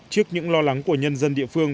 trước những lo lắng của nhân dân địa phương